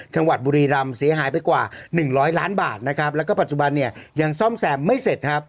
ชาวัดบุรีรำเสียหายไปกว่า๑๐๐ล้านบาทและปัจจุบันยังซ่อมแสบไม่เสร็จ